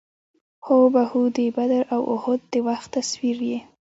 هو بهو د بدر او اُحد د وخت تصویر یې.